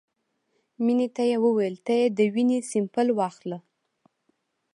مينې ته يې وويل ته يې د وينې سېمپل واخله.